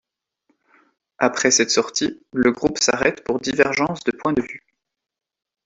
Après cette sortie, le groupe s'arrête pour divergences de points de vue.